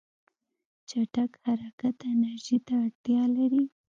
چټک حرکت انرژي ته اړتیا لري.